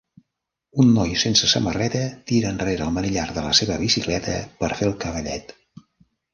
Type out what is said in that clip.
Un noi sense samarreta tira enrere el manillar de la seva bicicleta per fer el cavallet.